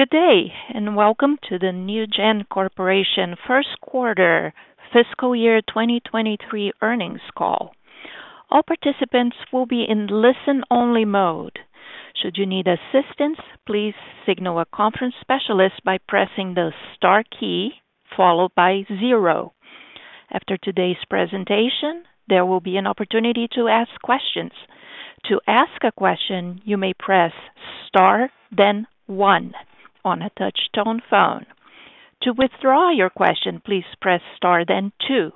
Good day, and welcome to the Neogen Corporation first quarter fiscal year 2023 earnings call. All participants will be in listen-only mode. Should you need assistance, please signal a conference specialist by pressing the star key followed by zero. After today's presentation, there will be an opportunity to ask questions. To ask a question, you may press star then one on a touch-tone phone. To withdraw your question, please press star then two.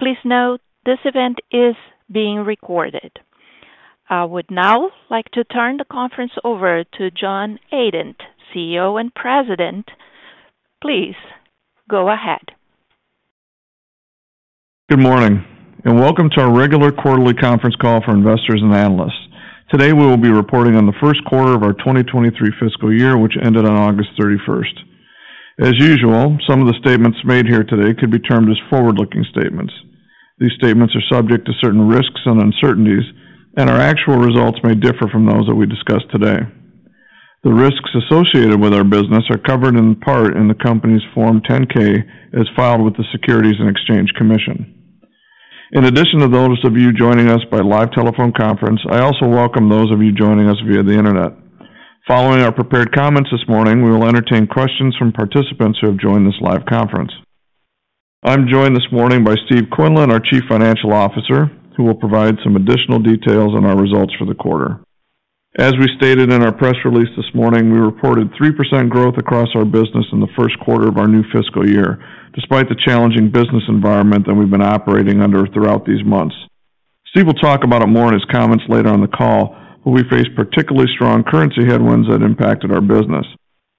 Please note this event is being recorded. I would now like to turn the conference over to John Adent, CEO and President. Please go ahead. Good morning, and welcome to our regular quarterly conference call for investors and analysts. Today we will be reporting on the first quarter of our 2023 fiscal year, which ended on 31st August. As usual, some of the statements made here today could be termed as forward-looking statements. These statements are subject to certain risks and uncertainties, and our actual results may differ from those that we discuss today. The risks associated with our business are covered in part in the company's Form 10-K, as filed with the Securities and Exchange Commission. In addition to those of you joining us by live telephone conference, I also welcome those of you joining us via the Internet. Following our prepared comments this morning, we will entertain questions from participants who have joined this live conference. I'm joined this morning by Steve Quinlan, our Chief Financial Officer, who will provide some additional details on our results for the quarter. As we stated in our press release this morning, we reported 3% growth across our business in the first quarter of our new fiscal year, despite the challenging business environment that we've been operating under throughout these months. Steve will talk about it more in his comments later on the call, but we face particularly strong currency headwinds that impacted our business.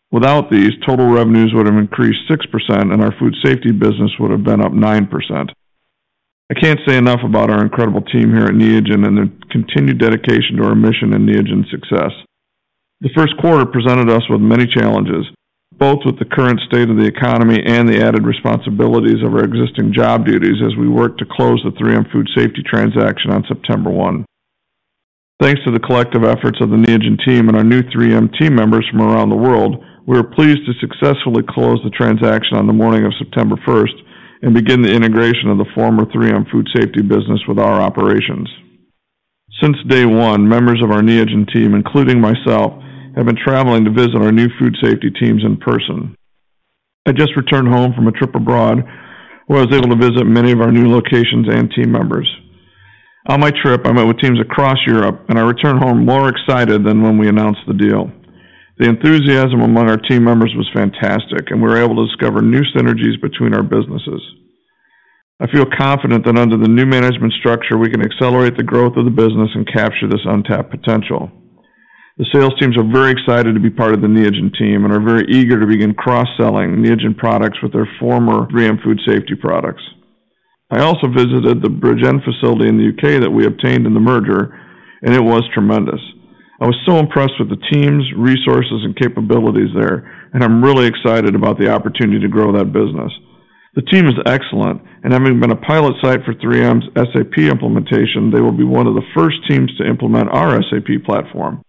Without these, total revenues would have increased 6%, and our food safety business would have been up 9%. I can't say enough about our incredible team here at Neogen and their continued dedication to our mission and Neogen's success. The first quarter presented us with many challenges, both with the current state of the economy and the added responsibilities of our existing job duties as we work to close the 3M Food Safety transaction on 1st September. Thanks to the collective efforts of the Neogen team and our new 3M team members from around the world, we are pleased to successfully close the transaction on the morning of 1st September and begin the integration of the former 3M Food Safety business with our operations. Since day one, members of our Neogen team, including myself, have been traveling to visit our new food safety teams in person. I just returned home from a trip abroad, where I was able to visit many of our new locations and team members. On my trip, I met with teams across Europe, and I returned home more excited than when we announced the deal. The enthusiasm among our team members was fantastic, and we were able to discover new synergies between our businesses. I feel confident that under the new management structure, we can accelerate the growth of the business and capture this untapped potential. The sales teams are very excited to be part of the Neogen team and are very eager to begin cross-selling Neogen products with their former 3M Food Safety products. I also visited the Bridgend facility in the U.K. that we obtained in the merger, and it was tremendous. I was so impressed with the teams, resources, and capabilities there, and I'm really excited about the opportunity to grow that business. The team is excellent, and having been a pilot site for 3M's SAP implementation, they will be one of the first teams to implement our SAP platform.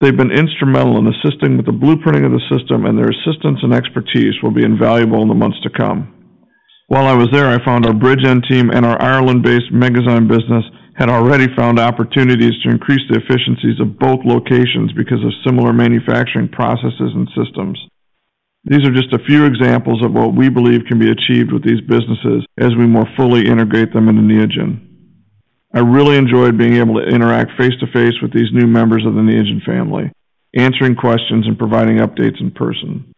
They've been instrumental in assisting with the blueprinting of the system, and their assistance and expertise will be invaluable in the months to come. While I was there, I found our Bridgend team and our Ireland-based Megazyme business had already found opportunities to increase the efficiencies of both locations because of similar manufacturing processes and systems. These are just a few examples of what we believe can be achieved with these businesses as we more fully integrate them into Neogen. I really enjoyed being able to interact face-to-face with these new members of the Neogen family, answering questions and providing updates in person.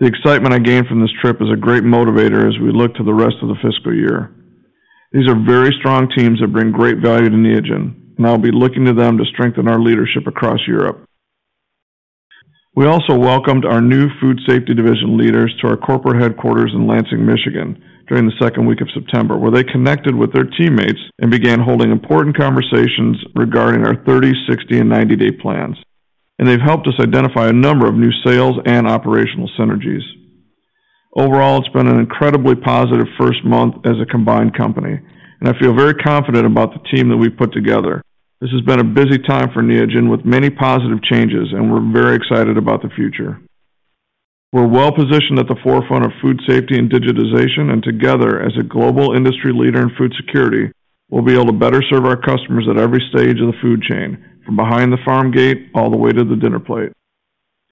The excitement I gained from this trip is a great motivator as we look to the rest of the fiscal year. These are very strong teams that bring great value to Neogen, and I'll be looking to them to strengthen our leadership across Europe. We also welcomed our new food safety division leaders to our corporate headquarters in Lansing, Michigan, during the second week of September, where they connected with their teammates and began holding important conversations regarding our 30-, 60-, and 90-day plans. They've helped us identify a number of new sales and operational synergies. Overall, it's been an incredibly positive first month as a combined company, and I feel very confident about the team that we've put together. This has been a busy time for Neogen with many positive changes, and we're very excited about the future. We're well-positioned at the forefront of food safety and digitization, and together, as a global industry leader in food security, we'll be able to better serve our customers at every stage of the food chain, from behind the farm gate all the way to the dinner plate.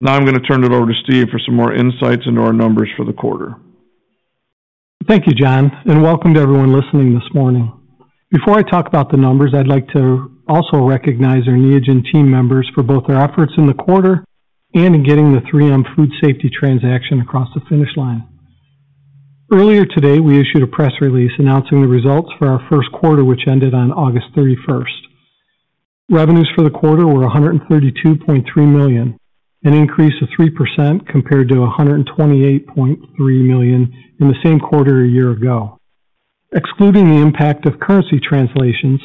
Now I'm gonna turn it over to Steve for some more insights into our numbers for the quarter. Thank you, John, and welcome to everyone listening this morning. Before I talk about the numbers, I'd like to also recognize our Neogen team members for both their efforts in the quarter and in getting the 3M Food Safety transaction across the finish line. Earlier today, we issued a press release announcing the results for our first quarter, which ended on 31st August. Revenues for the quarter were $132.3 million, an increase of 3% compared to $128.3 million in the same quarter a year ago. Excluding the impact of currency translations,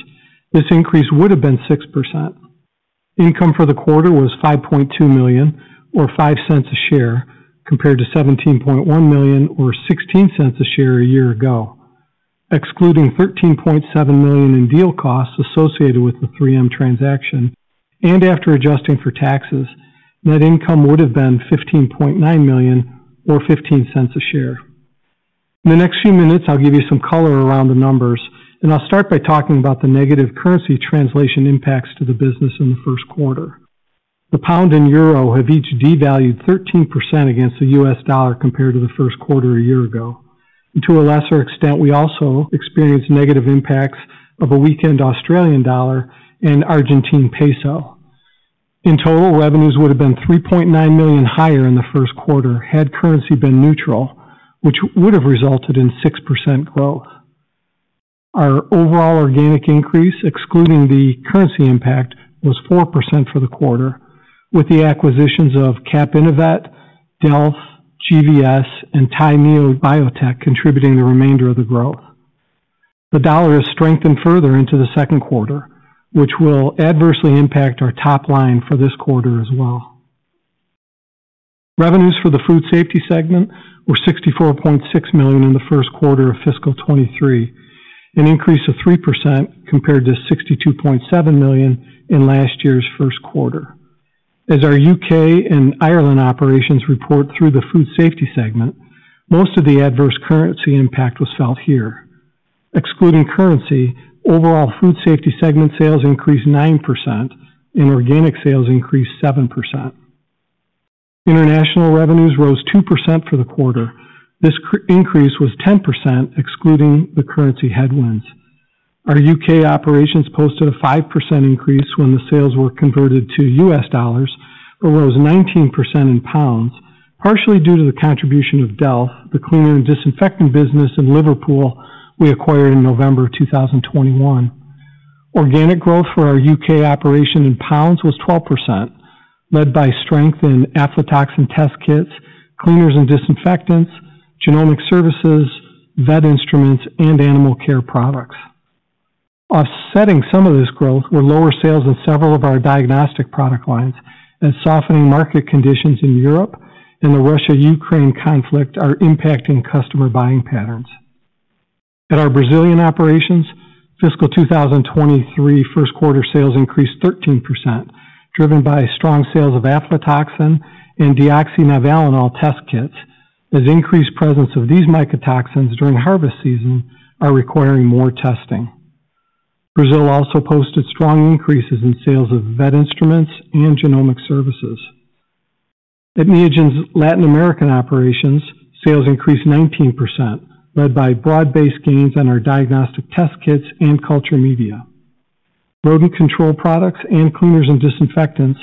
this increase would have been 6%. Income for the quarter was $5.2 million or $0.05 per share, compared to $17.1 million or $0.16 per share a year ago. Excluding $13.7 million in deal costs associated with the 3M transaction and after adjusting for taxes, net income would have been $15.9 million or $0.15 a share. In the next few minutes, I'll give you some color around the numbers, and I'll start by talking about the negative currency translation impacts to the business in the first quarter. The pound and euro have each devalued 13% against the U.S. dollar compared to the first quarter a year ago. To a lesser extent, we also experienced negative impacts of a weakened Australian dollar and Argentine peso. In total, revenues would have been $3.9 million higher in the first quarter had currency been neutral, which would have resulted in 6% growth. Our overall organic increase, excluding the currency impact, was 4% for the quarter, with the acquisitions of CAPInnoVet, Delf, GVS, and Taimu Biotech contributing the remainder of the growth. The dollar has strengthened further into the second quarter, which will adversely impact our top line for this quarter as well. Revenues for the Food Safety segment were $64.6 million in the first quarter of fiscal 2023, an increase of 3% compared to $62.7 million in last year's first quarter. As our U.K. and Ireland operations report through the Food Safety segment, most of the adverse currency impact was felt here. Excluding currency, overall Food Safety segment sales increased 9% and organic sales increased 7%. International revenues rose 2% for the quarter. This increase was 10% excluding the currency headwinds. Our UK operations posted a 5% increase when the sales were converted to U.S. dollars, but rose 19% in pounds, partially due to the contribution of Delf, the cleaner and disinfectant business in Liverpool we acquired in November 2021. Organic growth for our UK operation in pounds was 12%, led by strength in aflatoxin test kits, cleaners and disinfectants, genomic services, vet instruments, and animal care products. Offsetting some of this growth were lower sales in several of our diagnostic product lines as softening market conditions in Europe and the Russia-Ukraine conflict are impacting customer buying patterns. At our Brazilian operations, fiscal 2023 first quarter sales increased 13%, driven by strong sales of aflatoxin and deoxynivalenol test kits, as increased presence of these mycotoxins during harvest season are requiring more testing. Brazil also posted strong increases in sales of vet instruments and genomic services. At Neogen's Latin American operations, sales increased 19%, led by broad-based gains on our diagnostic test kits and culture media. Rodent control products and cleaners and disinfectants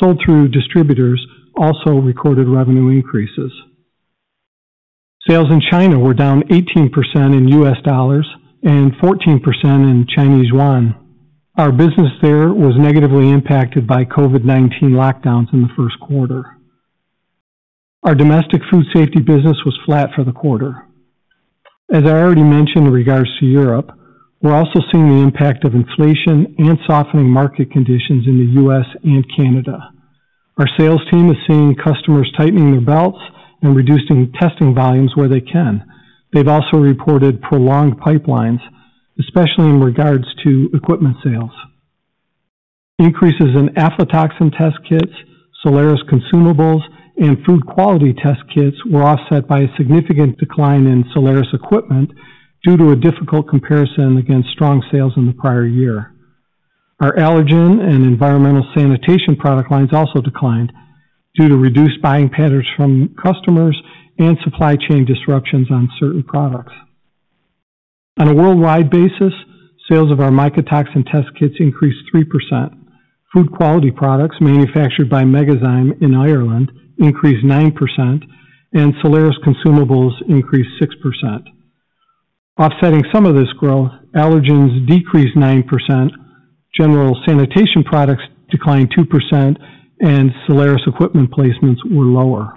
sold through distributors also recorded revenue increases. Sales in China were down 18% in U.S. dollars and 14% in Chinese yuan. Our business there was negatively impacted by COVID-19 lockdowns in the first quarter. Our domestic food safety business was flat for the quarter. As I already mentioned in regards to Europe, we're also seeing the impact of inflation and softening market conditions in the U.S. and Canada. Our sales team is seeing customers tightening their belts and reducing testing volumes where they can. They've also reported prolonged pipelines, especially in regards to equipment sales. Increases in aflatoxin test kits, Soleris consumables, and Food Quality test kits were offset by a significant decline in Soleris equipment due to a difficult comparison against strong sales in the prior year. Our allergen and environmental sanitation product lines also declined due to reduced buying patterns from customers and supply chain disruptions on certain products. On a worldwide basis, sales of our mycotoxin test kits increased 3%. Food Quality Products manufactured by Megazyme in Ireland increased 9%, and Soleris consumables increased 6%. Offsetting some of this growth, allergens decreased 9%, general sanitation products declined 2%, and Soleris equipment placements were lower.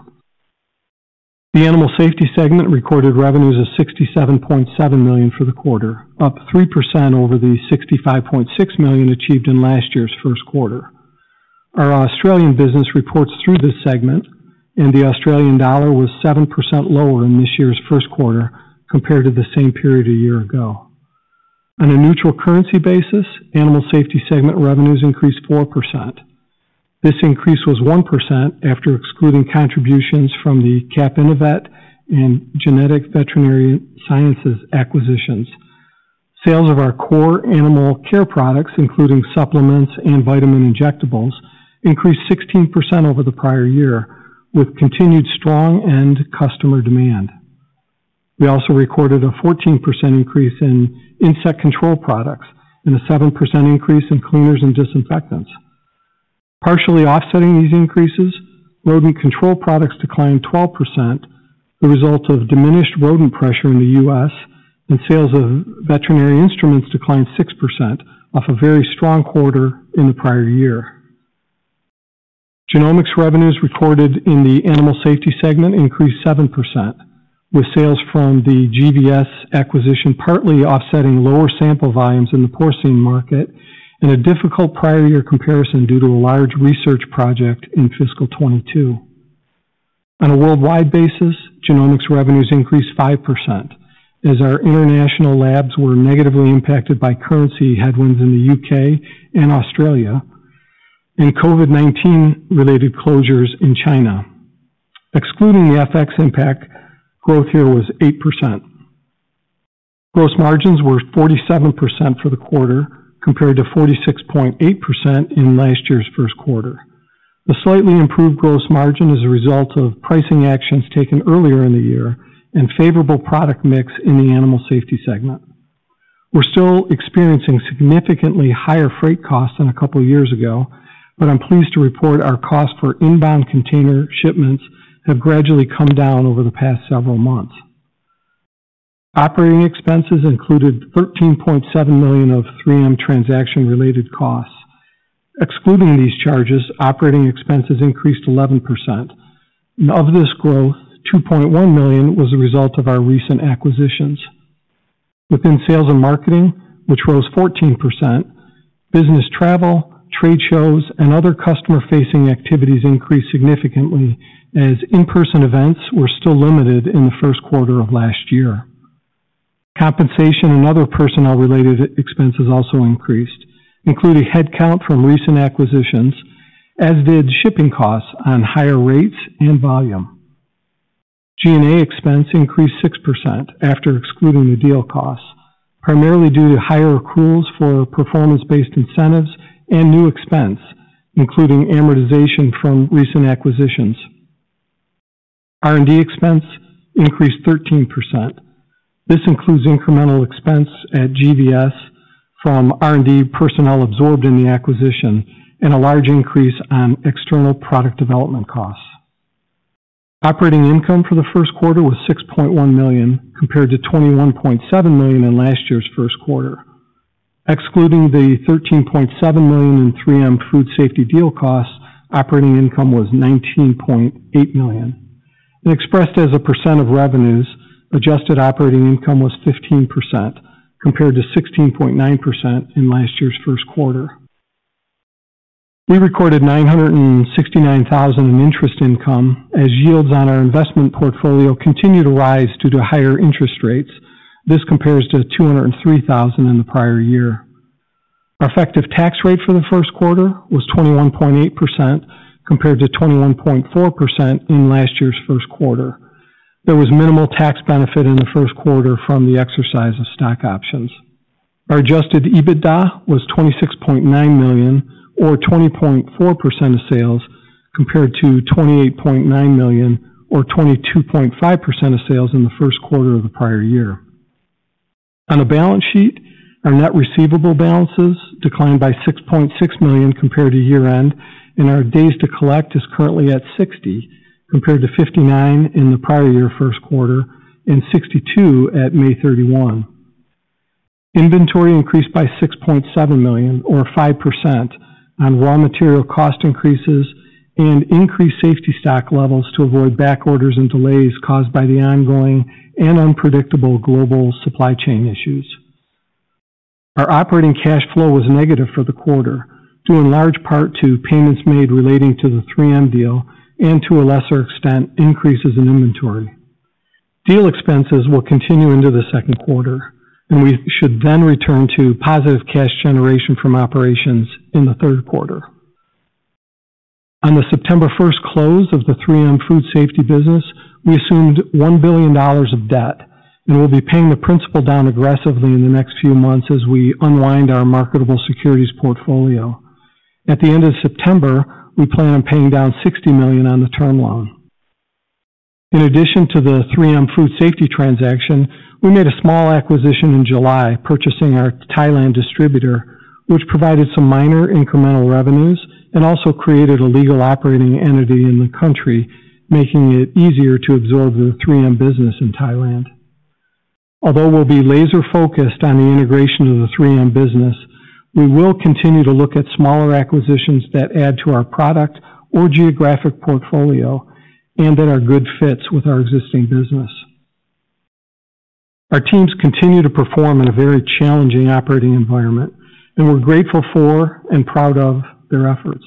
The Animal Safety segment recorded revenues of $67.7 million for the quarter, up 3% over the $65.6 million achieved in last year's first quarter. Our Australian business reports through this segment, and the Australian dollar was 7% lower in this year's first quarter compared to the same period a year ago. On a neutral currency basis, Animal Safety segment revenues increased 4%. This increase was 1% after excluding contributions from the CAPInnoVet and Genetic Veterinary Sciences acquisitions. Sales of our core animal care products, including supplements and vitamin injectables, increased 16% over the prior year, with continued strong end customer demand. We also recorded a 14% increase in insect control products and a 7% increase in cleaners and disinfectants. Partially offsetting these increases, rodent control products declined 12%, the result of diminished rodent pressure in the U.S., and sales of veterinary instruments declined 6% off a very strong quarter in the prior year. Genomics revenues recorded in the Animal Safety segment increased 7%, with sales from the GVS acquisition partly offsetting lower sample volumes in the porcine market and a difficult prior year comparison due to a large research project in fiscal 2022. On a worldwide basis, genomics revenues increased 5% as our international labs were negatively impacted by currency headwinds in the U.K. and Australia and COVID-19 related closures in China. Excluding the FX impact, growth here was 8%. Gross margins were 47% for the quarter, compared to 46.8% in last year's first quarter. The slightly improved gross margin is a result of pricing actions taken earlier in the year and favorable product mix in the animal safety segment. We're still experiencing significantly higher freight costs than a couple years ago, but I'm pleased to report our cost for inbound container shipments have gradually come down over the past several months. Operating expenses included $13.7 million of 3M transaction-related costs. Excluding these charges, operating expenses increased 11%. Of this growth, $2.1 million was a result of our recent acquisitions. Within sales and marketing, which rose 14%, business travel, trade shows, and other customer-facing activities increased significantly as in-person events were still limited in the first quarter of last year. Compensation and other personnel-related expenses also increased, including headcount from recent acquisitions, as did shipping costs on higher rates and volume. G&A expense increased 6% after excluding the deal costs, primarily due to higher accruals for performance-based incentives and new expense, including amortization from recent acquisitions. R&D expense increased 13%. This includes incremental expense at GVS from R&D personnel absorbed in the acquisition and a large increase on external product development costs. Operating income for the first quarter was $6.1 million, compared to $21.7 million in last year's first quarter. Excluding the $13.7 million in 3M Food Safety deal costs, operating income was $19.8 million. Expressed as a percent of revenues, adjusted operating income was 15%, compared to 16.9% in last year's first quarter. We recorded $969,000 in interest income as yields on our investment portfolio continue to rise due to higher interest rates. This compares to $203,000 in the prior year. Our effective tax rate for the first quarter was 21.8% compared to 21.4% in last year's first quarter. There was minimal tax benefit in the first quarter from the exercise of stock options. Our adjusted EBITDA was $26.9 million or 20.4% of sales, compared to $28.9 million or 22.5% of sales in the first quarter of the prior year. On the balance sheet, our net receivable balances declined by $6.6 million compared to year-end, and our days to collect is currently at 60, compared to 59 in the prior year first quarter and 62 at 31st May. Inventory increased by $6.7 million or 5% on raw material cost increases and increased safety stock levels to avoid back orders and delays caused by the ongoing and unpredictable global supply chain issues. Our operating cash flow was negative for the quarter, due in large part to payments made relating to the 3M deal and, to a lesser extent, increases in inventory. Deal expenses will continue into the second quarter, and we should then return to positive cash generation from operations in the third quarter. On the 1st September close of the 3M Food Safety business, we assumed $1 billion of debt, and we'll be paying the principal down aggressively in the next few months as we unwind our marketable securities portfolio. At the end of September, we plan on paying down $60 million on the term loan. In addition to the 3M Food Safety transaction, we made a small acquisition in July, purchasing our Thailand distributor, which provided some minor incremental revenues and also created a legal operating entity in the country, making it easier to absorb the 3M business in Thailand. Although we'll be laser-focused on the integration of the 3M business, we will continue to look at smaller acquisitions that add to our product or geographic portfolio and that are good fits with our existing business. Our teams continue to perform in a very challenging operating environment, and we're grateful for and proud of their efforts.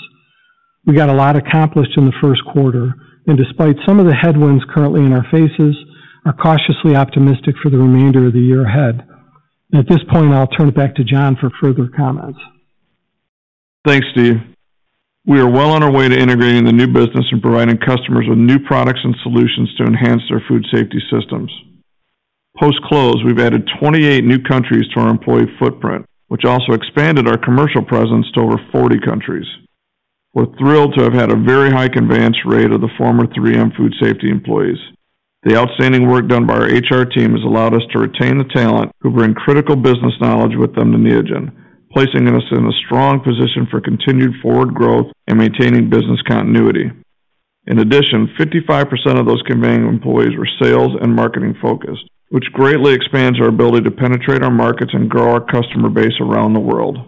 We got a lot accomplished in the first quarter, and despite some of the headwinds currently in our faces, are cautiously optimistic for the remainder of the year ahead. At this point, I'll turn it back to John for further comments. Thanks, Steve. We are well on our way to integrating the new business and providing customers with new products and solutions to enhance their food safety systems. Post-close, we've added 28 new countries to our employee footprint, which also expanded our commercial presence to over 40 countries. We're thrilled to have had a very high conveyance rate of the former 3M Food Safety employees. The outstanding work done by our HR team has allowed us to retain the talent who bring critical business knowledge with them to Neogen, placing us in a strong position for continued forward growth and maintaining business continuity. In addition, 55% of those conveying employees were sales and marketing focused, which greatly expands our ability to penetrate our markets and grow our customer base around the world.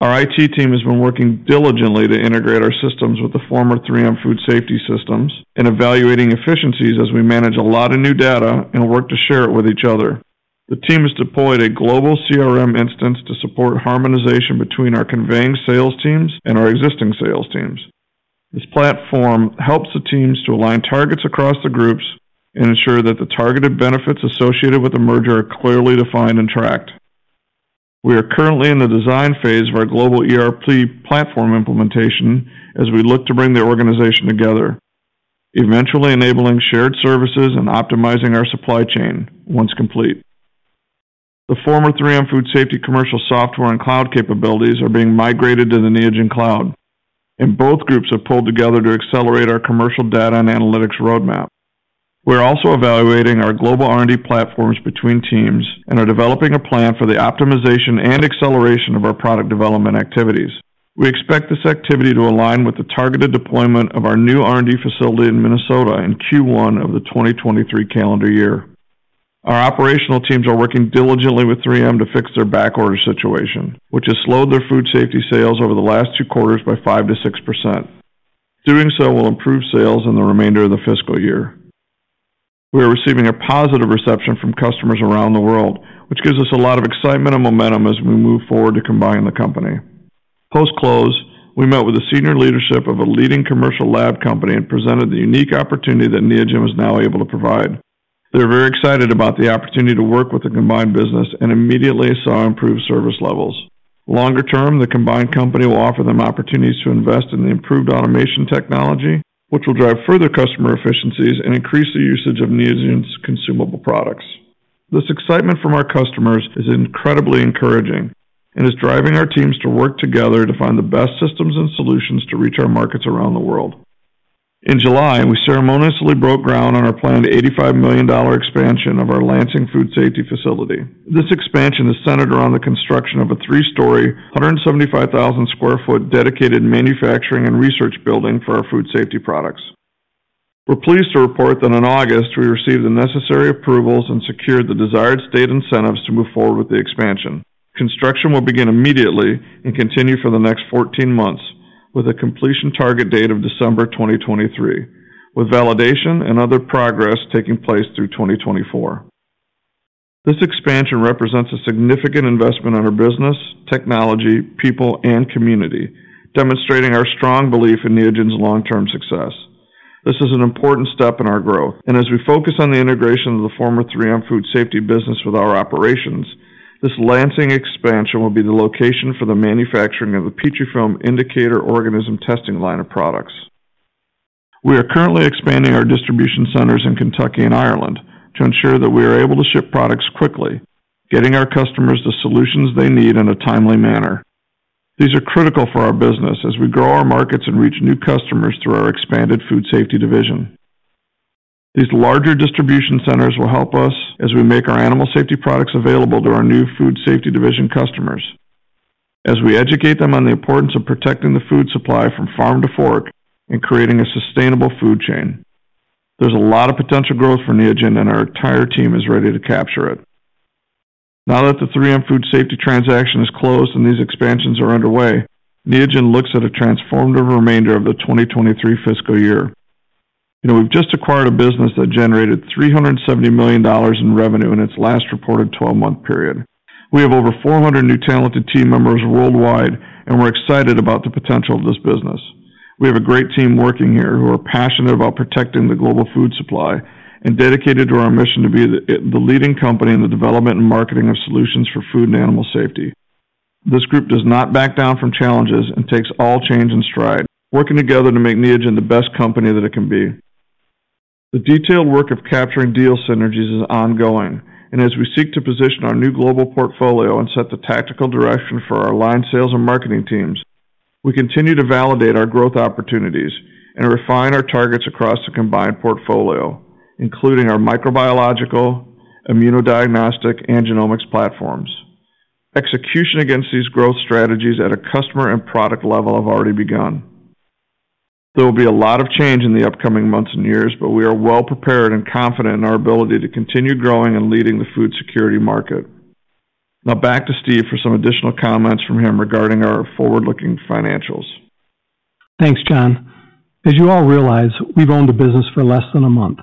Our IT team has been working diligently to integrate our systems with the former 3M Food Safety systems and evaluating efficiencies as we manage a lot of new data and work to share it with each other. The team has deployed a global CRM instance to support harmonization between our converging sales teams and our existing sales teams. This platform helps the teams to align targets across the groups and ensure that the targeted benefits associated with the merger are clearly defined and tracked. We are currently in the design phase of our global ERP platform implementation as we look to bring the organization together, eventually enabling shared services and optimizing our supply chain once complete. The former 3M Food Safety commercial software and cloud capabilities are being migrated to the Neogen cloud, and both groups have pulled together to accelerate our commercial data and analytics roadmap. We are also evaluating our global R&D platforms between teams and are developing a plan for the optimization and acceleration of our product development activities. We expect this activity to align with the targeted deployment of our new R&D facility in Minnesota in Q1 of the 2023 calendar year. Our operational teams are working diligently with 3M to fix their backorder situation, which has slowed their food safety sales over the last two quarters by 5%-6%. Doing so will improve sales in the remainder of the fiscal year. We are receiving a positive reception from customers around the world, which gives us a lot of excitement and momentum as we move forward to combine the company. Post-close, we met with the senior leadership of a leading commercial lab company and presented the unique opportunity that Neogen is now able to provide. They're very excited about the opportunity to work with the combined business and immediately saw improved service levels. Longer term, the combined company will offer them opportunities to invest in the improved automation technology, which will drive further customer efficiencies and increase the usage of Neogen's consumable products. This excitement from our customers is incredibly encouraging and is driving our teams to work together to find the best systems and solutions to reach our markets around the world. In July, we ceremoniously broke ground on our planned $85 million expansion of our Lansing Food Safety facility. This expansion is centered around the construction of a three-story 175,000 sq ft dedicated manufacturing and research building for our food safety products. We're pleased to report that in August, we received the necessary approvals and secured the desired state incentives to move forward with the expansion. Construction will begin immediately and continue for the next 14 months, with a completion target date of December 2023, with validation and other progress taking place through 2024. This expansion represents a significant investment in our business, technology, people, and community, demonstrating our strong belief in Neogen's long-term success. This is an important step in our growth, and as we focus on the integration of the former 3M Food Safety business with our operations, this Lansing expansion will be the location for the manufacturing of the Petrifilm indicator organism testing line of products. We are currently expanding our distribution centers in Kentucky and Ireland to ensure that we are able to ship products quickly, getting our customers the solutions they need in a timely manner. These are critical for our business as we grow our markets and reach new customers through our expanded Food Safety Division. These larger distribution centers will help us as we make our Animal Safety products available to our new Food Safety Division customers as we educate them on the importance of protecting the food supply from farm to fork and creating a sustainable food chain. There's a lot of potential growth for Neogen, and our entire team is ready to capture it. Now that the 3M Food Safety transaction is closed and these expansions are underway, Neogen looks at a transformative remainder of the 2023 fiscal year. You know, we've just acquired a business that generated $370 million in revenue in its last reported twelve-month period. We have over 400 new talented team members worldwide, and we're excited about the potential of this business. We have a great team working here who are passionate about protecting the global food supply and dedicated to our mission to be the leading company in the development and marketing of solutions for food and animal safety. This group does not back down from challenges and takes all change in stride, working together to make Neogen the best company that it can be. The detailed work of capturing deal synergies is ongoing, and as we seek to position our new global portfolio and set the tactical direction for our line sales and marketing teams, we continue to validate our growth opportunities and refine our targets across the combined portfolio, including our microbiological, immunodiagnostic, and genomics platforms. Execution against these growth strategies at a customer and product level have already begun. There will be a lot of change in the upcoming months and years, but we are well prepared and confident in our ability to continue growing and leading the food security market. Now back to Steve for some additional comments from him regarding our forward-looking financials. Thanks, John. As you all realize, we've owned the business for less than a month.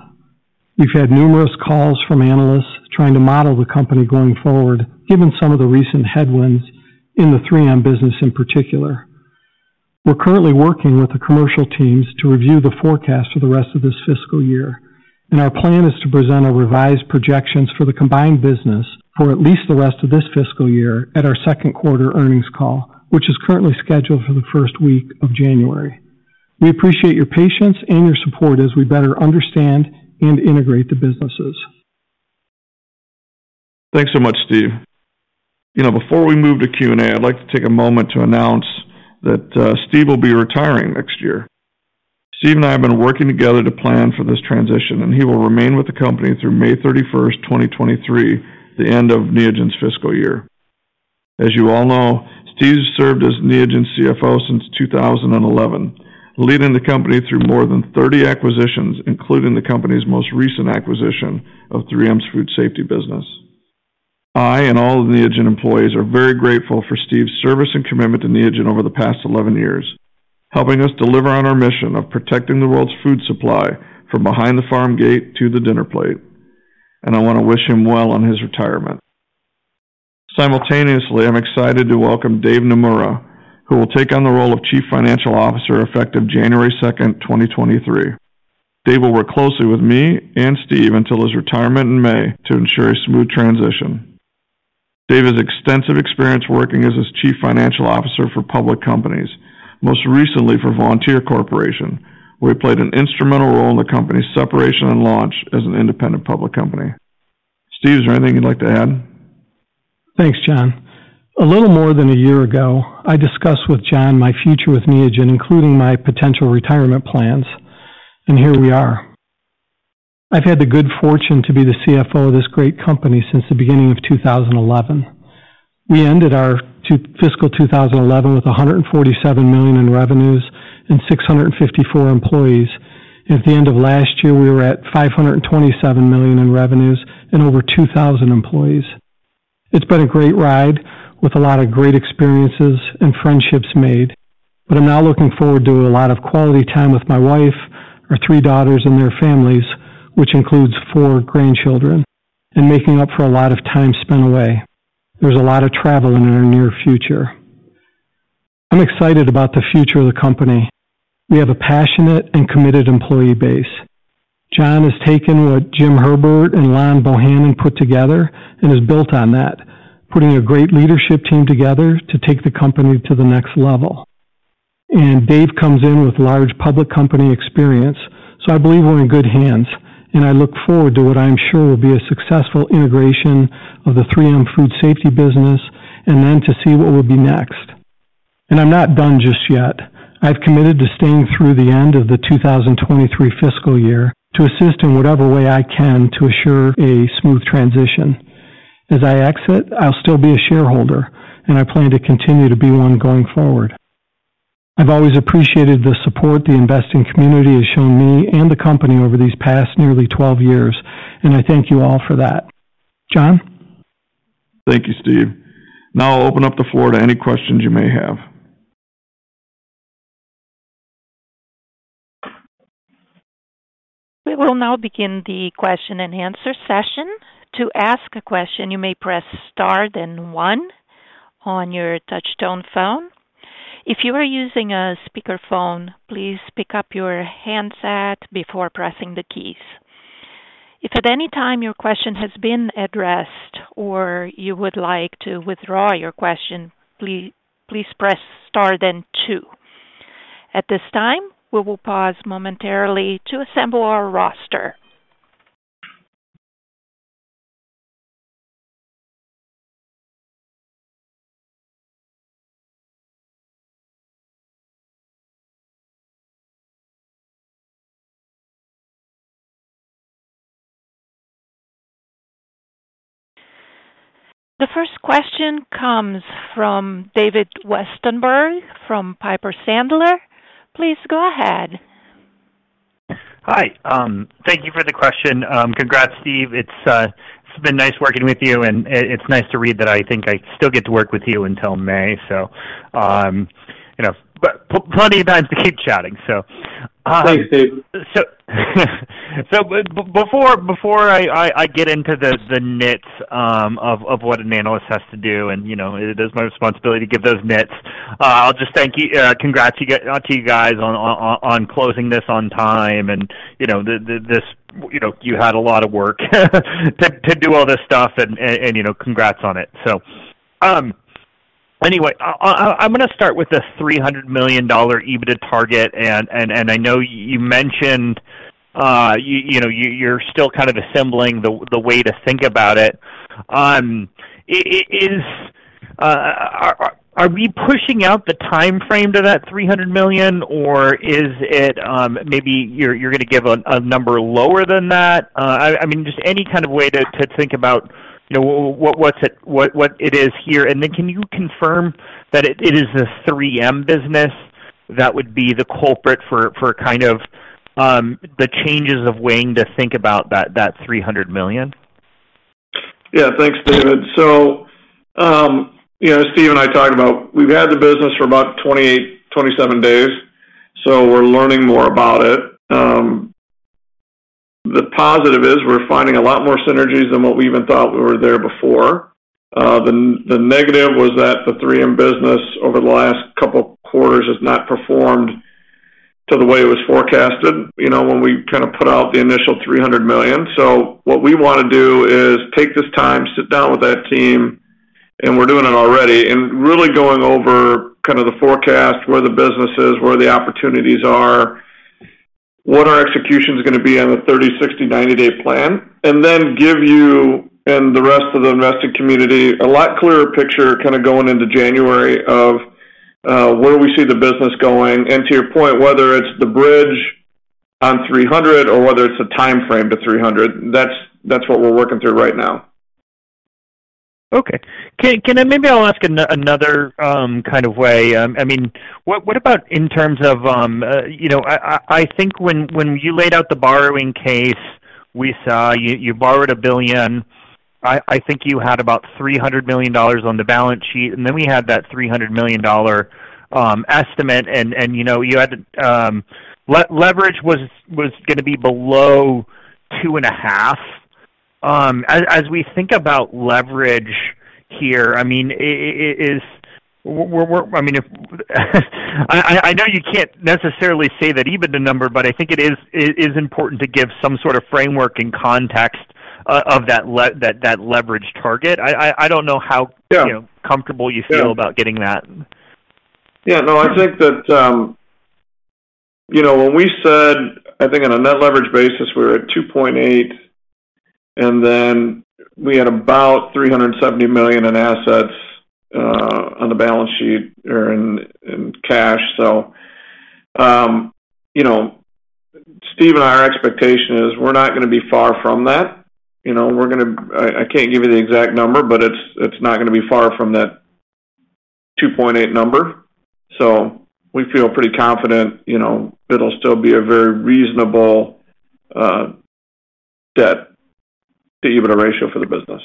We've had numerous calls from analysts trying to model the company going forward, given some of the recent headwinds in the 3M business in particular. We're currently working with the commercial teams to review the forecast for the rest of this fiscal year, and our plan is to present our revised projections for the combined business for at least the rest of this fiscal year at our second quarter earnings call, which is currently scheduled for the first week of January. We appreciate your patience and your support as we better understand and integrate the businesses. Thanks so much, Steve. You know, before we move to Q&A, I'd like to take a moment to announce that, Steve will be retiring next year. Steve and I have been working together to plan for this transition, and he will remain with the company through 31st May 2023, the end of Neogen's fiscal year. As you all know, Steve's served as Neogen's CFO since 2011, leading the company through more than 30 acquisitions, including the company's most recent acquisition of 3M Food Safety business. I and all of the Neogen employees are very grateful for Steve's service and commitment to Neogen over the past 11 years, helping us deliver on our mission of protecting the world's food supply from behind the farm gate to the dinner plate. I want to wish him well on his retirement. Simultaneously, I'm excited to welcome Dave Naemura, who will take on the role of Chief Financial Officer effective 2nd January, 2023. Dave will work closely with me and Steve until his retirement in May to ensure a smooth transition. Dave has extensive experience working as a chief financial officer for public companies, most recently for Vontier Corporation, where he played an instrumental role in the company's separation and launch as an independent public company. Steve, is there anything you'd like to add? Thanks, John. A little more than a year ago, I discussed with John my future with Neogen, including my potential retirement plans, and here we are. I've had the good fortune to be the CFO of this great company since the beginning of 2011. We ended our fiscal 2011 with $147 million in revenues and 654 employees. At the end of last year, we were at $527 million in revenues and over 2,000 employees. It's been a great ride with a lot of great experiences and friendships made. I'm now looking forward to a lot of quality time with my wife, our three daughters, and their families, which includes four grandchildren, and making up for a lot of time spent away. There's a lot of travel in our near future. I'm excited about the future of the company. We have a passionate and committed employee base. John has taken what Jim Herbert and Lon Bohannon put together and has built on that, putting a great leadership team together to take the company to the next level. Dave comes in with large public company experience. I believe we're in good hands, and I look forward to what I'm sure will be a successful integration of the 3M Food Safety business and then to see what will be next. I'm not done just yet. I've committed to staying through the end of the 2023 fiscal year to assist in whatever way I can to assure a smooth transition. As I exit, I'll still be a shareholder, and I plan to continue to be one going forward. I've always appreciated the support the investing community has shown me and the company over these past nearly 12 years, and I thank you all for that. John? Thank you, Steve. Now I'll open up the floor to any questions you may have. We will now begin the question-and-answer session. To ask a question, you may press star then one on your touchtone phone. If you are using a speakerphone, please pick up your handset before pressing the keys. If at any time your question has been addressed or you would like to withdraw your question, please press star then two. At this time, we will pause momentarily to assemble our roster. The first question comes from David Westenberg from Piper Sandler. Please go ahead. Hi, thank you for the question. Congrats, Steve. It's been nice working with you, and it's nice to read that I think I still get to work with you until May. You know, plenty of times to keep chatting, so Thanks, Dave. Before I get into the nits of what an analyst has to do, and you know, it is my responsibility to give those nits. I'll just thank you, congrats to you guys on closing this on time and, you know, this you know you had a lot of work to do all this stuff and, you know, congrats on it. Anyway, I'm going to start with the $300 million EBITDA target, and I know you mentioned, you know, you're still kind of assembling the way to think about it. Are we pushing out the timeframe to that $300 million or is it maybe you're gonna give a number lower than that? I mean, just any kind of way to think about, you know, what it is here. Then can you confirm that it is the 3M business that would be the culprit for kind of the changes in weighting to think about that $300 million? Yeah. Thanks, David. You know, Steve and I talked about we've had the business for about 28, 27 days, so we're learning more about it. The positive is we're finding a lot more synergies than what we even thought were there before. The negative was that the 3M business over the last couple of quarters has not performed to the way it was forecasted, you know, when we kind of put out the initial $300 million. What we want to do is take this time, sit down with that team, and we're doing it already, and really going over kind of the forecast, where the business is, where the opportunities are, what our execution is going to be on the 30, 60, 90-day plan, and then give you and the rest of the investing community a lot clearer picture kind of going into January of where we see the business going. To your point, whether it's the bridge on 300 or whether it's a timeframe to 300, that's what we're working through right now. Okay. Maybe I'll ask another kind of way. I mean, what about in terms of, you know, I think when you laid out the borrowing case. We saw you borrowed $1 billion. I think you had about $300 million on the balance sheet, and then we had that $300 million estimate and you know, you had leverage was gonna be below 2.5. As we think about leverage here, I mean, if I know you can't necessarily say that EBITDA number, but I think it is important to give some sort of framework and context of that leverage target. I don't know how. Yeah. you know, comfortable you feel Yeah. about getting that. Yeah, no, I think that, you know, when we said I think on a net leverage basis we were at 2.8, and then we had about $370 million in assets on the balance sheet or in cash. So, you know, Steve and I, our expectation is we're not gonna be far from that. You know, I can't give you the exact number, but it's not gonna be far from that 2.8 number. So we feel pretty confident, you know, it'll still be a very reasonable debt to EBITDA ratio for the business.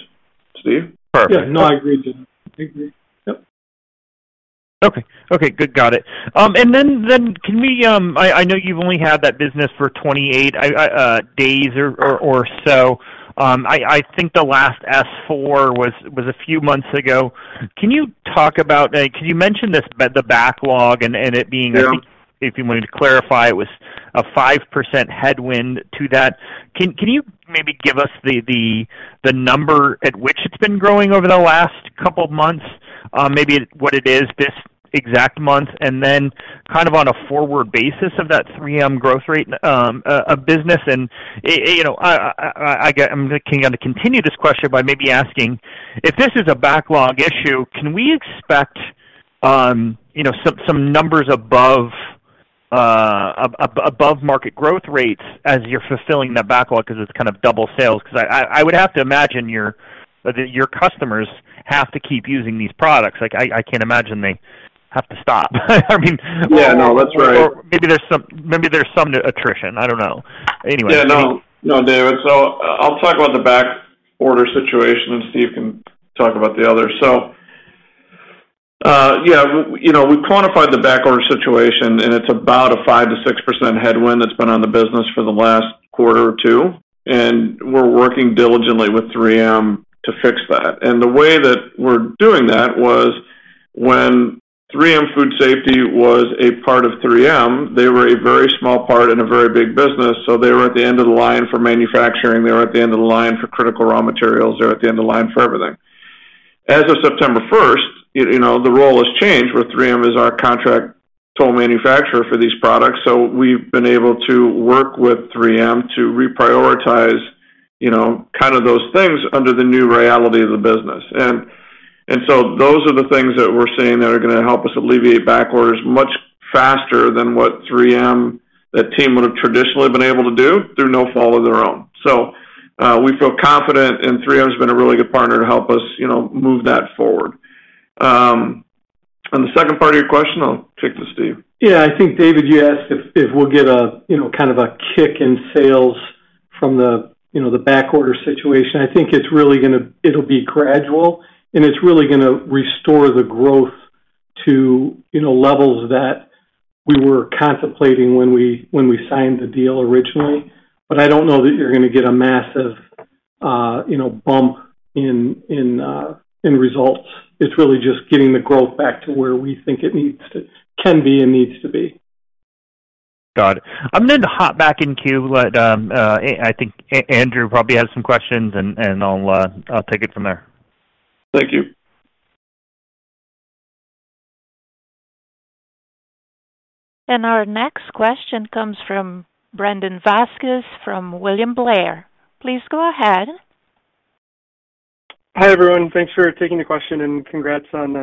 Steve? Perfect. Yeah. No, I agree, John. I agree. Yep. Okay, good. Got it. I know you've only had that business for 28 days or so. I think the last S-4 was a few months ago. Can you mention the backlog and it being- Yeah. If you wanted to clarify, it was a 5% headwind to that. Can you maybe give us the number at which it's been growing over the last couple of months? Maybe what it is this exact month and then kind of on a forward basis of that 3M growth rate of business. You know, I'm gonna continue this question by maybe asking if this is a backlog issue, can we expect you know, some numbers above market growth rates as you're fulfilling that backlog 'cause it's kind of double sales? 'Cause I would have to imagine that your customers have to keep using these products. Like I can't imagine they have to stop. I mean Yeah. No, that's right. Maybe there's some attrition. I don't know. Anyway. Yeah. No, no, David. I'll talk about the backorder situation, and Steve can talk about the other. We, you know, we've quantified the backorder situation, and it's about a 5%-6% headwind that's been on the business for the last quarter or two, and we're working diligently with 3M to fix that. The way that we're doing that was when 3M Food Safety was a part of 3M, they were a very small part in a very big business, so they were at the end of the line for manufacturing, they were at the end of the line for critical raw materials, they were at the end of the line for everything. As of September first, you know, the role has changed, where 3M is our contract toll manufacturer for these products. We've been able to work with 3M to reprioritize, you know, kind of those things under the new reality of the business. Those are the things that we're seeing that are gonna help us alleviate backorders much faster than what 3M, that team would have traditionally been able to do through no fault of their own. We feel confident, and 3M has been a really good partner to help us, you know, move that forward. The second part of your question, I'll kick to Steve. Yeah. I think, David, you asked if we'll get a, you know, kind of a kick in sales from the, you know, the backorder situation. I think it's really gonna. It'll be gradual, and it's really gonna restore the growth to, you know, levels that we were contemplating when we signed the deal originally. I don't know that you're gonna get a massive, you know, bump in results. It's really just getting the growth back to where we think it can be and needs to be. Got it. I'm gonna hop back in queue. I think Andrew probably has some questions, and I'll take it from there. Thank you. Our next question comes from Brandon Vazquez from William Blair. Please go ahead. Hi, everyone. Thanks for taking the question and congrats on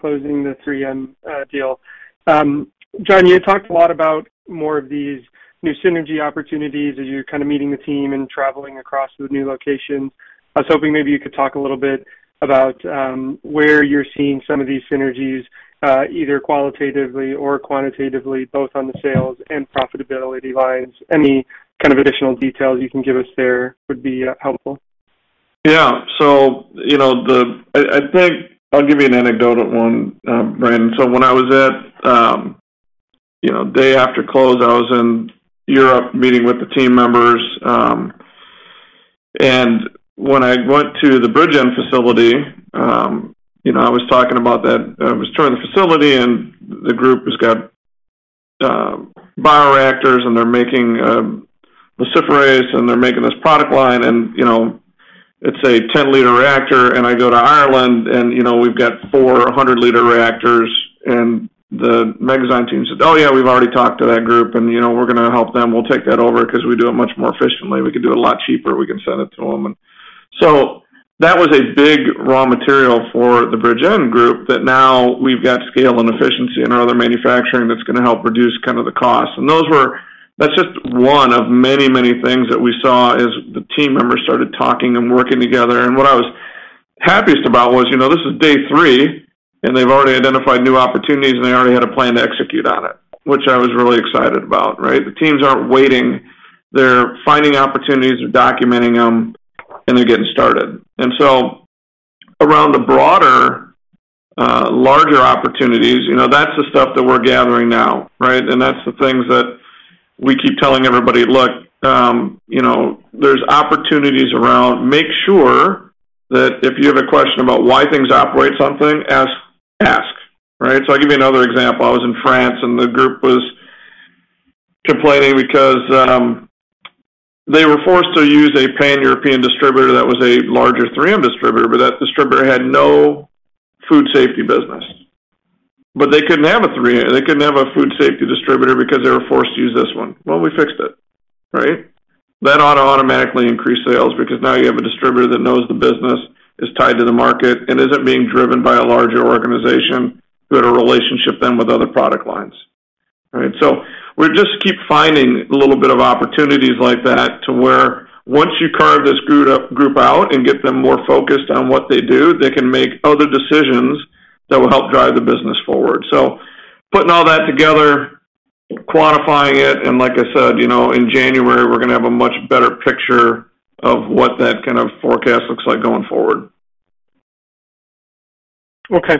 closing the 3M deal. John, you talked a lot about more of these new synergy opportunities as you're kind of meeting the team and traveling across the new locations. I was hoping maybe you could talk a little bit about where you're seeing some of these synergies, either qualitatively or quantitatively, both on the sales and profitability lines. Any kind of additional details you can give us there would be helpful. I think I'll give you an anecdotal one, Brandon. When I was at day after close, I was in Europe meeting with the team members. When I went to the Bridgend facility, I was talking about that. I was touring the facility and the group has got bioreactors and they're making luciferase and they're making this product line and it's a 10-liter reactor. I go to Ireland and we've got 400-liter reactors. The Megazyme team said, "Oh, yeah, we've already talked to that group, and we're gonna help them. We'll take that over 'cause we do it much more efficiently. We can do it a lot cheaper. We can send it to them." That was a big raw material for the Bridgend group that now we've got scale and efficiency in our other manufacturing that's gonna help reduce kind of the cost. That's just one of many, many things that we saw as the team members started talking and working together. What I was happiest about was, you know, this is day three, and they've already identified new opportunities, and they already had a plan to execute on it, which I was really excited about, right? The teams aren't waiting. They're finding opportunities or documenting them, and they're getting started. Around the broader, larger opportunities, you know, that's the stuff that we're gathering now, right? That's the things that we keep telling everybody: "Look, you know, there's opportunities around. Make sure that if you have a question about why things operate something, ask." Right? I'll give you another example. I was in France, and the group was complaining because they were forced to use a Pan-European distributor that was a larger 3M distributor, but that distributor had no food safety business. They couldn't have a food safety distributor because they were forced to use this one. Well, we fixed it, right? That ought to automatically increase sales because now you have a distributor that knows the business, is tied to the market, and isn't being driven by a larger organization who had a relationship then with other product lines. All right, we just keep finding a little bit of opportunities like that to where once you carve this group out and get them more focused on what they do, they can make other decisions that will help drive the business forward. Putting all that together, quantifying it, and like I said, you know, in January, we're gonna have a much better picture of what that kind of forecast looks like going forward. Okay.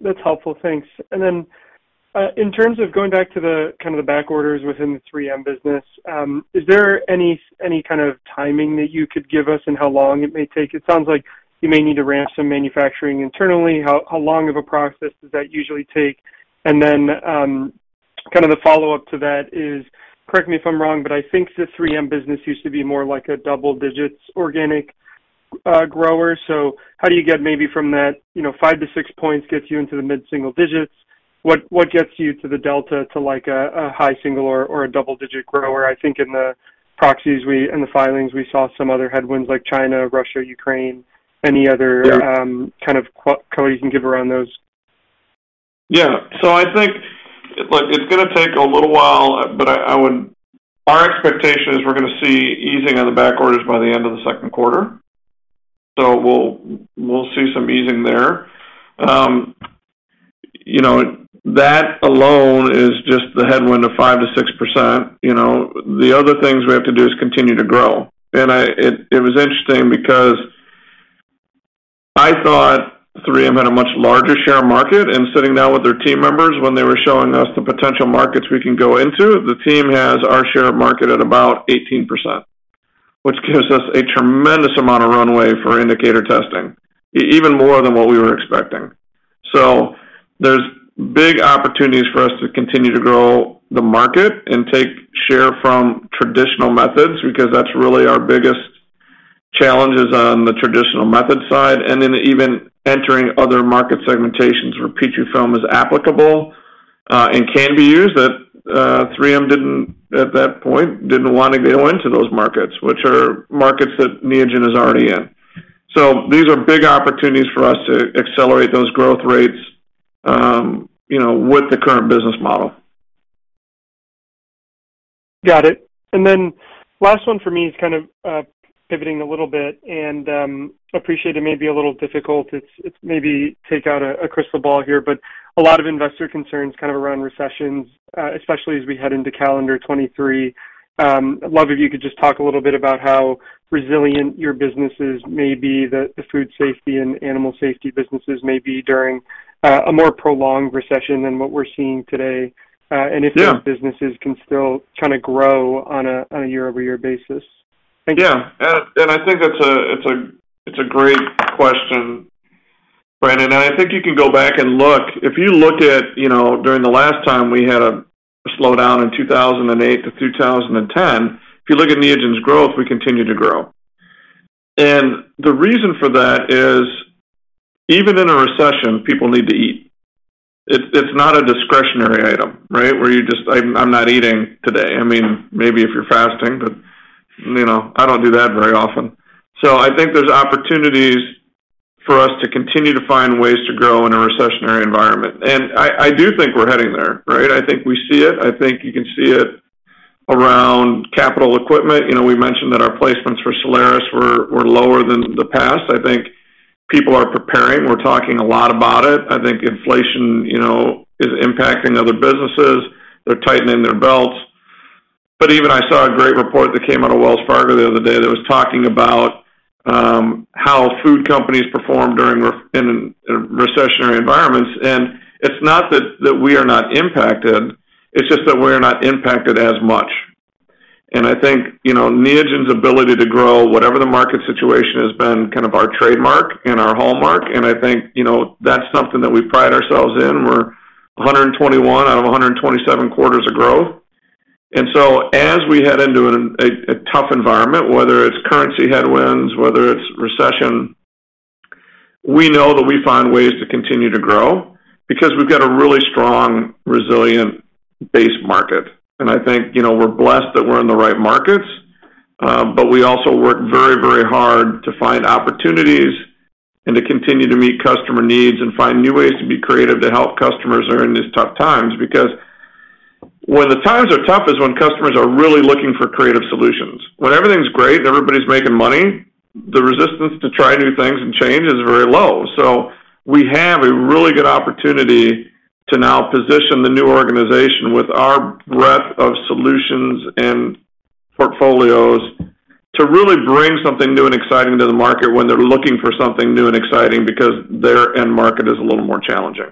That's helpful. Thanks. In terms of going back to the kind of the back orders within the 3M business, is there any kind of timing that you could give us in how long it may take? It sounds like you may need to ramp some manufacturing internally. How long of a process does that usually take? Kind of the follow-up to that is, correct me if I'm wrong, but I think the 3M business used to be more like a double-digit organic grower. How do you get maybe from that, you know, 5-6 points gets you into the mid-single digits, what gets you to the delta to like a high single or a double-digit grower? I think in the filings, we saw some other headwinds like China, Russia, Ukraine. Any other? Yeah. Kind of color you can give around those? Yeah. I think it's gonna take a little while, but our expectation is we're gonna see easing of the back orders by the end of the second quarter. We'll see some easing there. You know, that alone is just the headwind of 5%-6%, you know. The other things we have to do is continue to grow. It was interesting because I thought 3M had a much larger share of market, and sitting down with their team members when they were showing us the potential markets we can go into, the team has our share of market at about 18%, which gives us a tremendous amount of runway for indicator testing, even more than what we were expecting. There's big opportunities for us to continue to grow the market and take share from traditional methods because that's really our biggest challenges on the traditional method side. Then even entering other market segmentations where Petrifilm is applicable, and can be used that 3M didn't, at that point, wanna go into those markets, which are markets that Neogen is already in. These are big opportunities for us to accelerate those growth rates, you know, with the current business model. Got it. Then last one for me is kind of pivoting a little bit, and appreciate it may be a little difficult. It's maybe take out a crystal ball here, but a lot of investor concerns kind of around recessions, especially as we head into calendar 2023. I'd love if you could just talk a little bit about how resilient your businesses may be, the food safety and animal safety businesses may be during a more prolonged recession than what we're seeing today? Yeah. If those businesses can still kinda grow on a year-over-year basis. Thank you. Yeah. I think that's a great question, Brandon. I think you can go back and look. If you look at, you know, during the last time, we had a slowdown in 2008-2010, if you look at Neogen's growth, we continued to grow. The reason for that is even in a recession, people need to eat. It's not a discretionary item, right? Where you just, "I'm not eating today." I mean, maybe if you're fasting, but, you know, I don't do that very often. I think there's opportunities for us to continue to find ways to grow in a recessionary environment. I do think we're heading there, right? I think we see it. I think you can see it around capital equipment. You know, we mentioned that our placements for Soleris were lower than the past. I think people are preparing. We're talking a lot about it. I think inflation, you know, is impacting other businesses. They're tightening their belts. Even I saw a great report that came out of Wells Fargo the other day that was talking about how food companies perform during in recessionary environments, and it's not that we are not impacted, it's just that we're not impacted as much. I think, you know, Neogen's ability to grow whatever the market situation has been kind of our trademark and our hallmark, and I think, you know, that's something that we pride ourselves in. We're 121 out of 127 quarters of growth. As we head into a tough environment, whether it's currency headwinds, whether it's recession, we know that we find ways to continue to grow because we've got a really strong, resilient base market. I think, you know, we're blessed that we're in the right markets, but we also work very, very hard to find opportunities and to continue to meet customer needs and find new ways to be creative to help customers during these tough times. Because when the times are tough is when customers are really looking for creative solutions. When everything's great and everybody's making money, the resistance to try new things and change is very low. We have a really good opportunity to now position the new organization with our breadth of solutions and portfolios to really bring something new and exciting to the market when they're looking for something new and exciting because their end market is a little more challenging.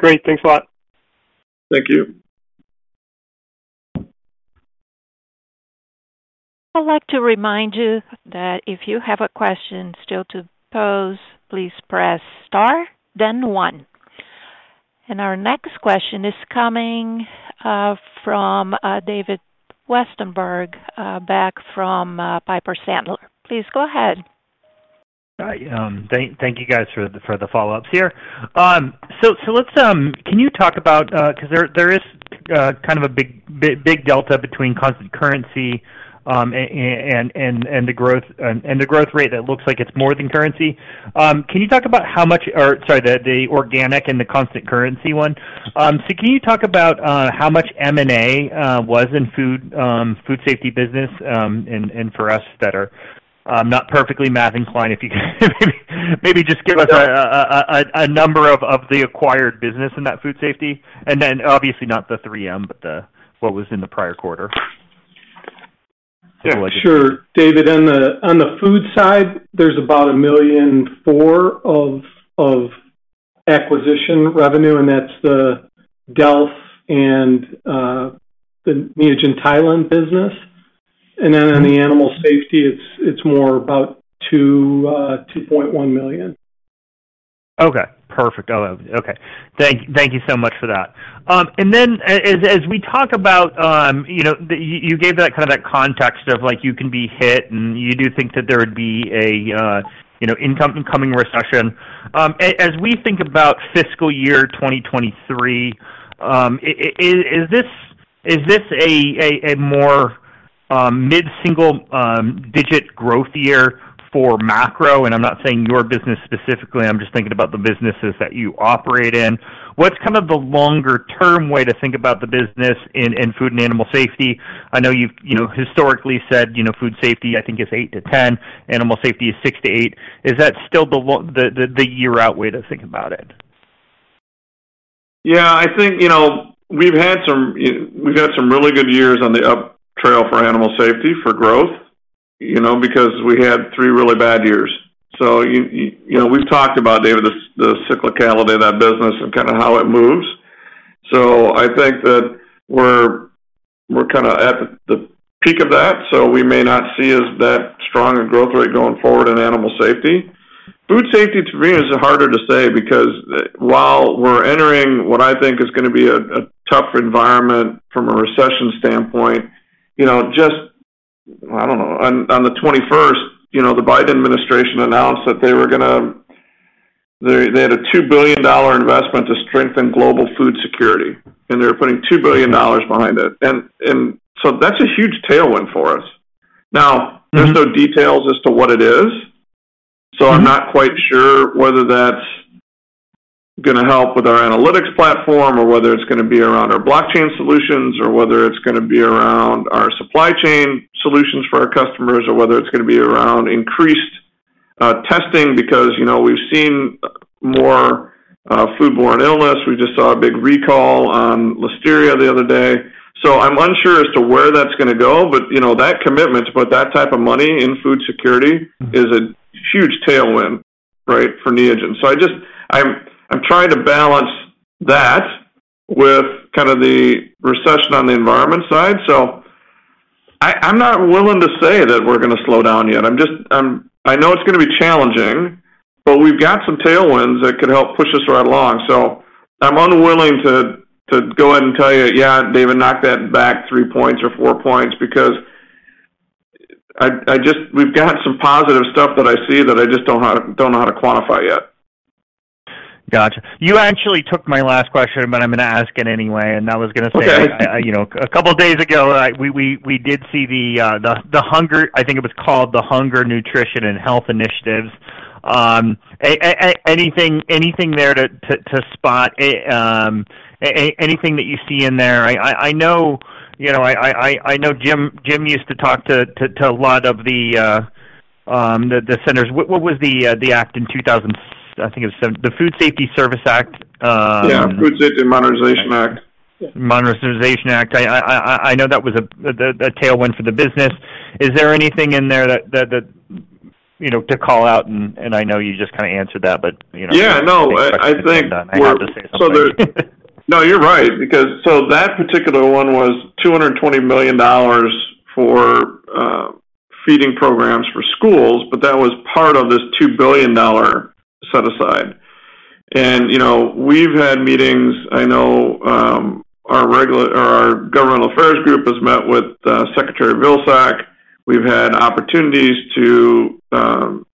Great. Thanks a lot. Thank you. I'd like to remind you that if you have a question still to pose, please press star then one. Our next question is coming from David Westenberg back from Piper Sandler. Please go ahead. Hi. Thank you guys for the follow-ups here. Can you talk about 'cause there is kind of a big delta between constant currency and the growth rate that looks like it's more than currency. Can you talk about the organic and the constant currency one. So can you talk about how much M&A was in food safety business and for us that are not perfectly math inclined, if you can maybe just give us a number of the acquired business in that food safety and then obviously not the 3M, but what was in the prior quarter. Yeah, sure. David, on the food side, there's about $1.4 million of acquisition revenue, and that's the Delf and the Neogen Thailand business. On the Animal Safety, it's more about $2.1 million. Okay. Perfect. Thank you so much for that. As we talk about, you know, you gave that kind of context of like you can be hit and you do think that there would be a coming recession. As we think about fiscal year 2023, is this a more mid-single-digit growth year for macro? I'm not saying your business specifically, I'm just thinking about the businesses that you operate in. What's kind of the longer-term way to think about the business in food and animal safety? I know you've historically said food safety, I think, is 8%-10%, animal safety is 6%-8%. Is that still the long-term way to think about it? Yeah. I think, you know, we've had some really good years on the uptrend for animal safety for growth, you know, because we had three really bad years. You know, we've talked about, David, the cyclicality of that business and kind of how it moves. I think that we're kinda at the peak of that. We may not see as that strong a growth rate going forward in animal safety. Food safety, to me, is harder to say because while we're entering what I think is gonna be a tough environment from a recession standpoint, you know, just, I don't know, on the twenty-first, you know, the Biden administration announced that they had a $2 billion investment to strengthen global food security, and they were putting $2 billion behind it. That's a huge tailwind for us. Now, there's no details as to what it is, so I'm not quite sure whether that's gonna help with our analytics platform or whether it's gonna be around our blockchain solutions or whether it's gonna be around our supply chain solutions for our customers or whether it's gonna be around increased testing because, you know, we've seen more foodborne illness. We just saw a big recall on Listeria the other day. I'm unsure as to where that's gonna go. You know, that commitment to put that type of money in food security is a huge tailwind, right? For Neogen. I just I'm trying to balance that with kind of the recession on the environment side. I'm not willing to say that we're gonna slow down yet. I know it's gonna be challenging, but we've got some tailwinds that can help push us right along. I'm unwilling to go ahead and tell you, "Yeah, David, knock that back 3 points or 4 points," because we've got some positive stuff that I see that I just don't know how to quantify yet. Gotcha. You actually took my last question, but I'm gonna ask it anyway. I was gonna say- Okay. You know, a couple of days ago, we did see the White House Conference on Hunger, Nutrition, and Health. Anything there to spot? Anything that you see in there? I know, you know, I know Jim used to talk to a lot of the senators. What was the act in 2000? I think it was the Food Safety Modernization Act. Yeah, Food Safety Modernization Act. Modernization Act. I know that was the tailwind for the business. Is there anything in there that you know to call out and I know you just kinda answered that, but you know? Yeah. No, I think. I have to say something. No, you're right. Because that particular one was $220 million for feeding programs for schools, but that was part of this $2 billion set aside. You know, we've had meetings. I know our governmental affairs group has met with Secretary Vilsack. We've had opportunities to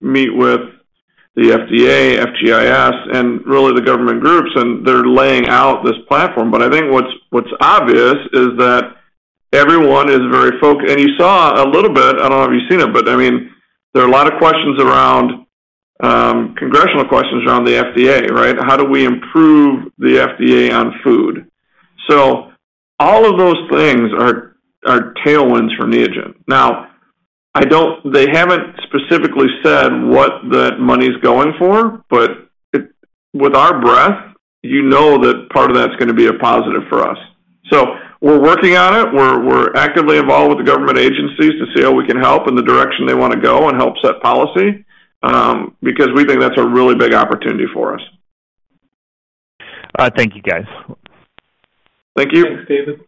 meet with the FDA, FGIS, and really the government groups, and they're laying out this platform. I think what's obvious is that everyone is very focused and you saw a little bit. I don't know if you've seen it, but I mean, there are a lot of questions around congressional questions around the FDA, right? How do we improve the FDA on food? All of those things are tailwinds for Neogen. Now, I don't They haven't specifically said what that money's going for, but with our breadth, you know that part of that's gonna be a positive for us. We're working on it. We're actively involved with the government agencies to see how we can help in the direction they wanna go and help set policy, because we think that's a really big opportunity for us. Thank you, guys. Thank you. Thanks, David.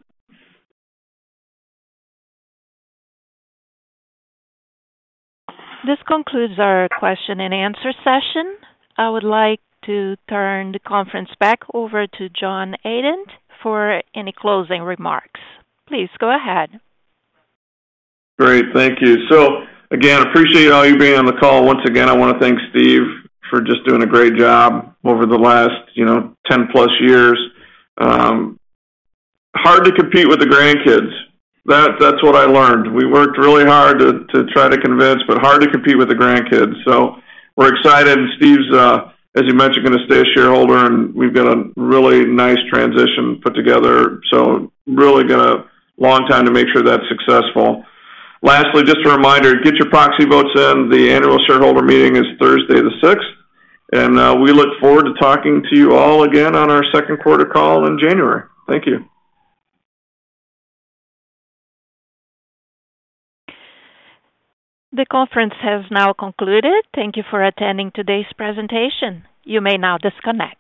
This concludes our question and answer session. I would like to turn the conference back over to John Adent for any closing remarks. Please go ahead. Great. Thank you. Again, appreciate all you being on the call. Once again, I wanna thank Steve for just doing a great job over the last, you know, 10+ years. Hard to compete with the grandkids. That's what I learned. We worked really hard to try to convince, but hard to compete with the grandkids. We're excited. Steve's, as you mentioned, gonna stay a shareholder, and we've got a really nice transition put together, so really got a long time to make sure that's successful. Lastly, just a reminder, get your proxy votes in. The annual shareholder meeting is Thursday the sixth. We look forward to talking to you all again on our second quarter call in January. Thank you. The conference has now concluded. Thank you for attending today's presentation. You may now disconnect.